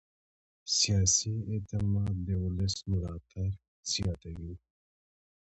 سیاسي اعتماد د ولس ملاتړ زیاتوي